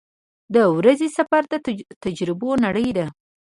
• د ورځې سفر د تجربو نړۍ ده.